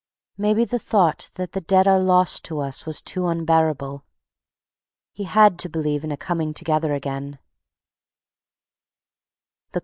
Maybe the thought that the dead are lost to us was too unbearable. He had to believe in a coming together again.